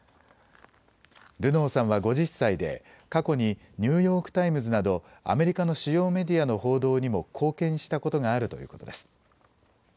ルノーさんは５０歳で過去にニューヨーク・タイムズなどアメリカの主要メディアの報道にも貢献したことがあるということです。